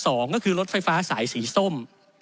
สองก็คือรถไฟฟ้าสายสีส้ม